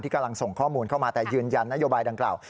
กำลังส่งข้อมูลเข้ามาแต่ยืนยันนโยบายดังกล่าว